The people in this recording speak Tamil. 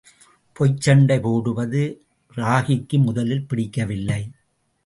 பொய்ச் சண்டை போடுவது ராகிக்கு முதலில் பிடிக்கவில்லை.